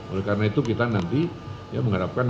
oleh karena itu kita nanti mengharapkan